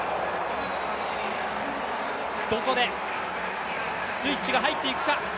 どこで、スイッチが入っていくか。